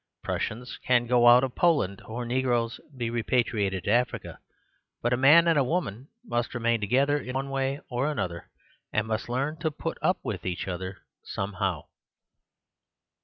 Prussians can go out of Poland or negroes can be repatriated to Africa; but a man and a woman must remain together in one way or another; and must learn to put up with each other somehow.